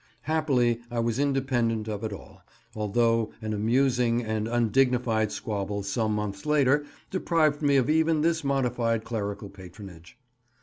Happily I was independent of it all, although an amusing and undignified squabble some months later deprived me of even this modified clerical patronage.